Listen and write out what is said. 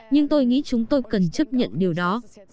nhưng tôi nghĩ chúng tôi cần chấp nhận điều đó